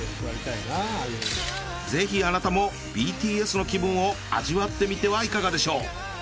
ぜひあなたもＢＴＳの気分を味わってみてはいかがでしょう。